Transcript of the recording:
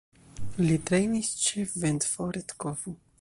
Li trejnis ĉe Ventforet Kofu.